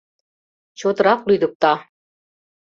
Чотрак лӱдыкта.